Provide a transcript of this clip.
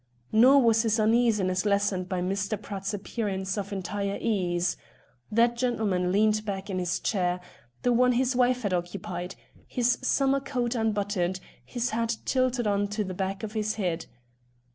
Nor was his uneasiness lessened by Mr. Pratt's appearance of entire ease. That gentleman leaned back in his chair the one his wife had occupied his summer coat unbuttoned, his hat tilted on to the back of his head.